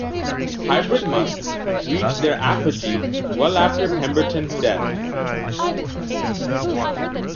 Hybrid Musks reached their apogee well after Pemberton's death.